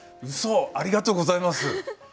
うそありがとうございます。